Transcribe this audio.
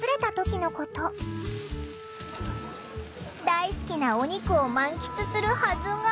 大好きなお肉を満喫するはずが。